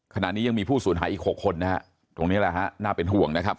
ขณะนี้ยังมีผู้สูญหายอีก๖คนนะฮะตรงนี้แหละฮะน่าเป็นห่วงนะครับ